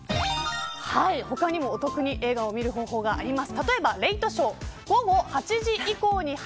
他にもお得に映画を見る方法があります。